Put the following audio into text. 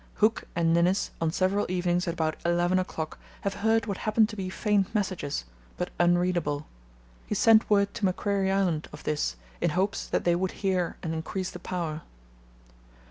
Hooke and Ninnis on several evenings at about 11 o'clock have heard what happened to be faint messages, but unreadable. He sent word to Macquarie Island of this in hopes that they would hear and increase the power.